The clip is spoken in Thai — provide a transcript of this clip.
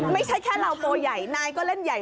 ไม่ใช่แค่เราโปเลี่ยย